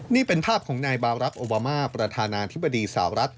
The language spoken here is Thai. นี่เป็นภาพของนายบารักษ์โอบามาประธานาธิบดีสาวรัฐ